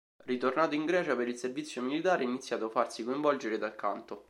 Ritornato in Grecia per il servizio militare ha iniziato farsi coinvolgere dal canto.